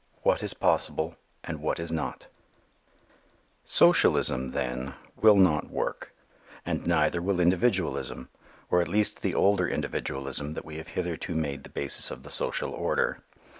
What Is Possible and What Is Not_ SOCIALISM, then, will not work, and neither will individualism, or at least the older individualism that we have hitherto made the basis of the social order.